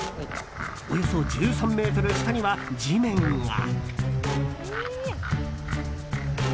およそ１３ｍ下には地面が。